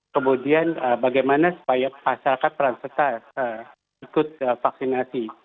kemudian bagaimana supaya pasalkan perang setar ikut vaksinasi